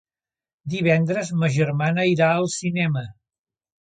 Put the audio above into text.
Divendres ma germana irà al cinema.